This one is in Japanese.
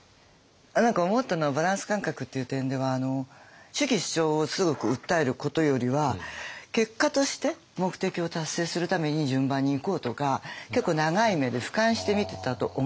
何か思ったのはバランス感覚っていう点では主義主張をすごく訴えることよりは結果として目的を達成するために順番にいこうとか結構長い目で俯瞰して見てたと思うんですね。